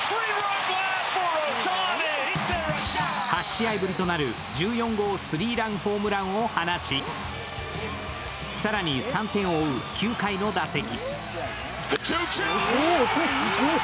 ８試合ぶりとなる１４号スリーランホームランを放ち、更に３点を追う９回の打席。